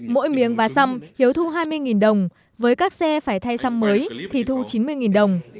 mỗi miếng vá xăm hiếu thu hai mươi đồng với các xe phải thay xăm mới thì thu chín mươi đồng